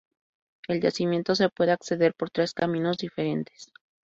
Al yacimiento se puede acceder por tres caminos diferentes.